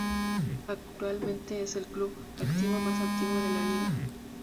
Actualmente es el club en activo más antiguo de la liga.